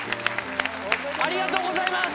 ありがとうございます！